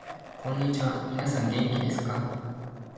こんにちは、みなさん元気ですか？